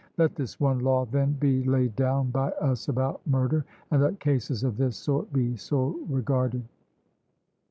Let this one law then be laid down by us about murder; and let cases of this sort be so regarded.